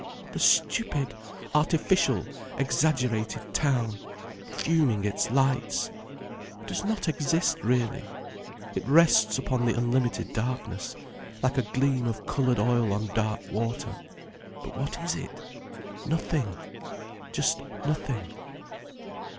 "The stupid, artificial, exaggerated town, fuming its lights. It does not exist really. It rests upon the unlimited darkness, like a gleam of coloured oil on dark water, but what is it?—nothing, just nothing."